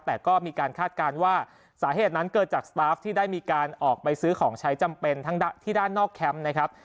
แต่ก็มีการคาดการณ์ว่าสาเหตุนั้นเกิดจากสตาฟที่ได้มีการออกไปซื้อของใช้จำเป็นทั้งที่ด้านนอกแคมป์นะครับ